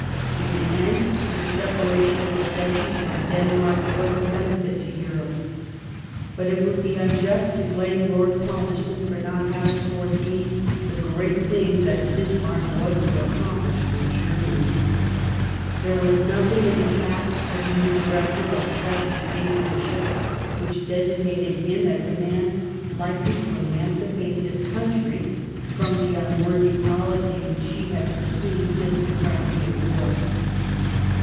In the end, the separation of the Duchies from Denmark was a benefit to Europe. But it would be POLAND AND SGHLESWIG HOLSTEIN. 23a unjust to blame Lord Palmerston for not having fore seen the great things that Bismarck was to accomplish for Germany. There was nothing in the past of the new director of Prussian statesmanship which desig nated him as a man likely to emancipate his country from the unworthy policy which she had pursued since the Crimean war.